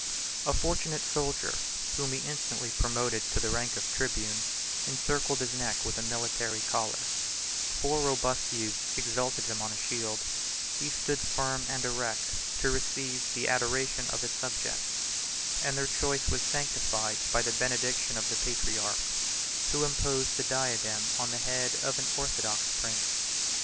A fortunate soldier, whom he instantly promoted to the rank of tribune, encircled his neck with a military collar; four robust youths exalted him on a shield; he stood firm and erect to receive the adoration of his subjects; and their choice was sanctified by the benediction of the patriarch, who imposed the diadem on the head of an orthodox prince.